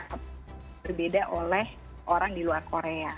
berbeda oleh orang di luar korea